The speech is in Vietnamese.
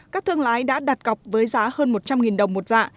các thương lái đã đặt cọc với giá hơn một trăm linh đồng một dạ